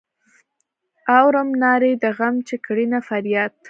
اورم نارې د غم چې کړینه فریاد.